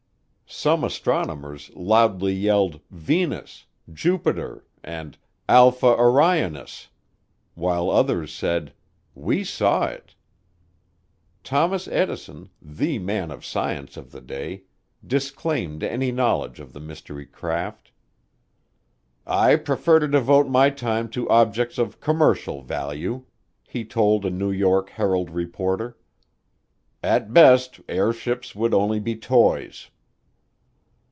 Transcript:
Some astronomers loudly yelled, "Venus," "Jupiter," and "Alpha Orionis" while others said, "We saw it." Thomas Edison, the man of science of the day, disclaimed any knowledge of the mystery craft. "I prefer to devote my time to objects of commercial value," he told a New York Herald reporter. "At best airships would only be toys."